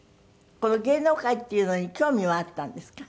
この芸能界っていうのに興味はあったんですか？